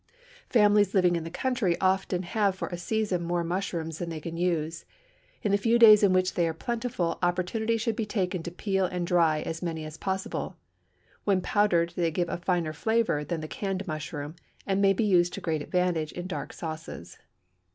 Families living in the country often have for a season more mushrooms than they can use. In the few days in which they are plentiful opportunity should be taken to peel and dry as many as possible; when powdered they give a finer flavor than the canned mushroom, and may be used to great advantage in dark sauces.